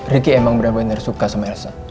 ricky emang bener bener suka sama elsa